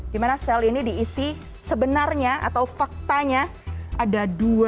dimana sel ini diisi sebenarnya atau faktanya ada dua ribu tujuh puluh dua